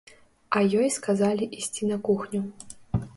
А ёй сказалі ісці на кухню.